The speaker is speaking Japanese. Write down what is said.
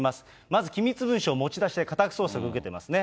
まず機密文書持ち出して、家宅捜索受けてますね。